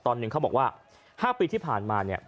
ตอนหนึ่งเขาบอกว่า๕ปีที่ผ่านมา